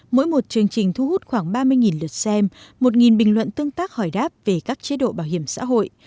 mỗi một chương trình thu hút khoảng ba mươi lượt xem một bình luận tương tác hỏi đáp về các chế độ bảo hiểm xã hội